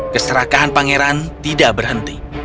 keserakahan pangeran tidak berhenti